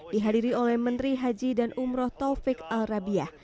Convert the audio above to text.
dihadiri oleh menteri haji dan umroh taufik al rabiah